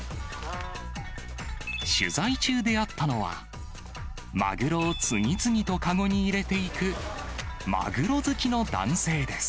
取材中出会ったのは、マグロを次々と籠に入れていくマグロ好きの男性です。